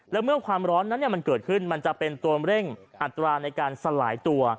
แล้วเมื่อความร้อนนั้นมันเกิดขึ้นมันจะเป็นตัวเร่งอัตราในการสลายตัว